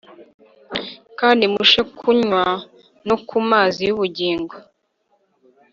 Kandi mushe kunywa no kumazi y’ubugingo